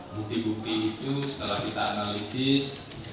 bukti bukti itu setelah kita analisis